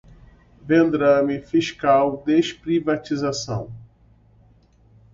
vendrame, fiscal, desprivatização